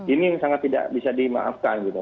ini sangat tidak bisa dimaafkan gitu